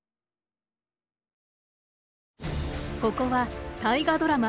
ここは大河ドラマ